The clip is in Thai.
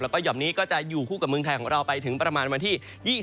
แล้วก็ห่อมนี้ก็จะอยู่คู่กับเมืองไทยของเราไปถึงประมาณวันที่๒๒